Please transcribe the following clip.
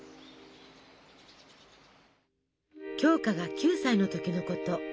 鏡花が９歳の時のこと。